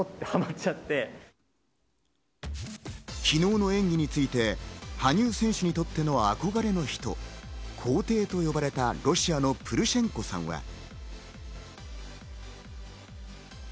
昨日の演技について羽生選手にとっての憧れの人、皇帝と呼ばれたロシアのプルシェンコさんは。